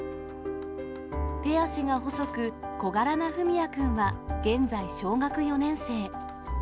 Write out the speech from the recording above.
手足が細く、小柄な文也君は現在小学４年生。